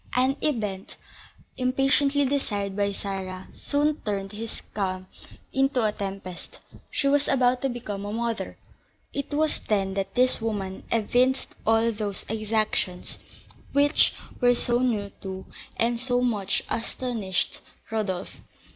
An event, impatiently desired by Sarah, soon turned this calm into a tempest, she was about to become a mother. It was then that this woman evinced all those exactions which were so new to, and so much astonished, Rodolph.